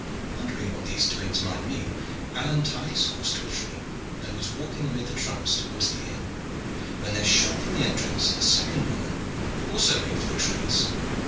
Wondering what these doings might mean, Alleyne tied his horse to a tree, and was walking amid the trunks towards the inn, when there shot from the entrance a second woman who made also for the trees.